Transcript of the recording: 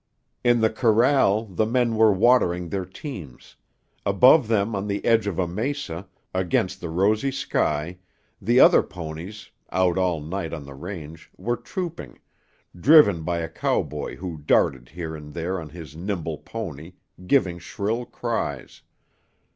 In the corral the men were watering their teams; above them on the edge of a mesa, against the rosy sky, the other ponies, out all night on the range, were trooping, driven by a cowboy who darted here and there on his nimble pony, giving shrill cries.